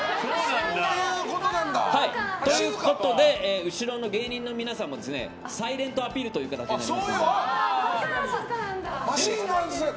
そういうことなんだ。ということで後ろの芸人の皆さんもサイレントアピールという形になりますので。